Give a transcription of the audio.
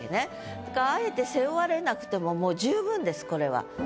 だからあえて背負われなくてももう十分ですこれは。